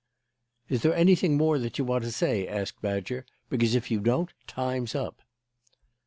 "Is there anything more that you want to say?" asked Badger; "because, if you don't, time's up."